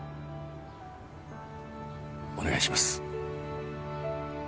お願いします。